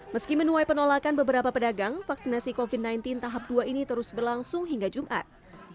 meski menuai penolakan beberapa pedagang vaksinasi covid sembilan belas tahap dua ini terus berlangsung hingga jumat